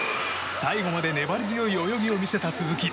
最後まで粘り強い泳ぎを見せた鈴木。